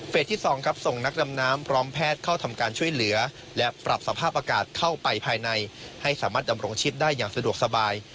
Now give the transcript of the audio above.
ที่๒ครับส่งนักดำน้ำพร้อมแพทย์เข้าทำการช่วยเหลือและปรับสภาพอากาศเข้าไปภายในให้สามารถดำรงชิดได้อย่างสะดวกสบาย